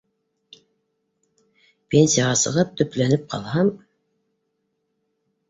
Пенсияға сығып, төпләнеп ҡалһам